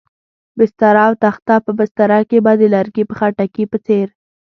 بستره او تخته، په بستره کې به د لرګي په خټکي په څېر.